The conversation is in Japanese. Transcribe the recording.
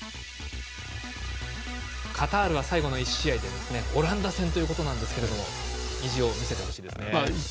カタールは最後の１試合オランダ戦ということなんですけど意地を見せてほしいですね。